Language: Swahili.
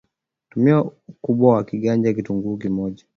Tumia Ukubwa wa kiganja Kitunguu kimoja